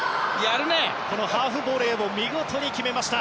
このハーフボレーも見事に決めました。